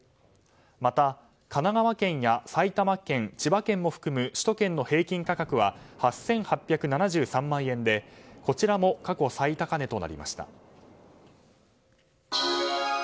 また、神奈川県や埼玉県千葉県も含む首都圏の平均価格は８８７３万円でこちらも過去最高値となりました。